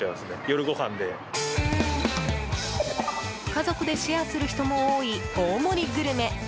家族でシェアする人も多い大盛りグルメ。